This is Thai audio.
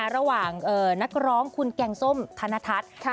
ระหว่างนักร้องคุณแกงส้มธนทัศน์